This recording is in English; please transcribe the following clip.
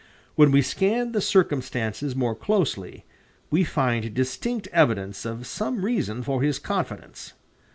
When we scan the circumstances more closely, we find distinct evidence of some reason for his confidence.